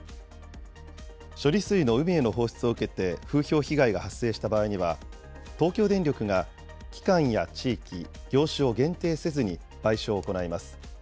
処理水の海への放出を受けて風評被害が発生した場合には、東京電力が期間や地域、業種を限定せずに賠償を行います。